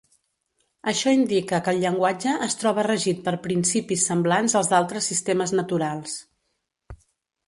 Això indica que el llenguatge es troba regit per principis semblants als d'altres sistemes naturals.